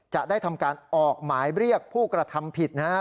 จะได้ทำการออกหมายเรียกผู้กระทำผิดนะครับ